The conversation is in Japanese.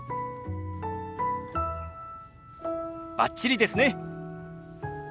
バッチリですね！